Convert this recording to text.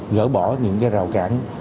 gỡ bỏ những cái rào cản